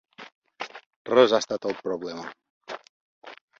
Res ha estat el problema.